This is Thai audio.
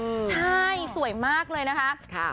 ใช่สวยมากเลยนะคะ